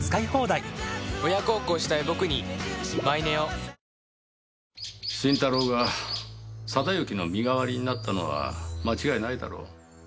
東京海上日動新太郎が定行の身代わりになったのは間違いないだろう。